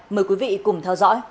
mời quý vị cùng theo dõi